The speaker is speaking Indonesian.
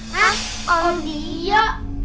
hah oh dio